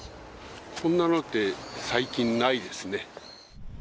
こんなのって最近ないですね。